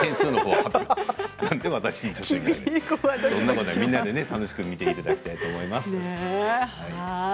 いやいや、みんなで楽しく見ていただきたいと思います。